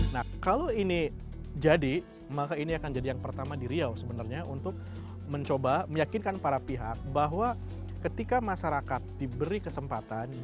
nah kalau ini jadi maka ini akan jadi yang pertama di riau sebenarnya untuk mencoba meyakinkan para pihak bahwa ketika masyarakat diberi kesempatan